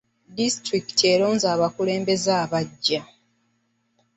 Disitulikiti eronze abakulembeze abaggya.